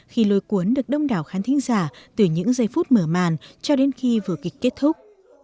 khi lôi cuốn được đông đảo khán thính giả từ những giây phút mở màn cho đến khi vở kịch kết thúc